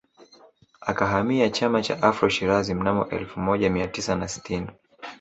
Akahamia Chama cha Afro Shirazi mnamo elfu moja mia tisa na sitini